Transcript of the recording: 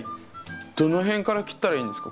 どの辺から切ったらいいんですか？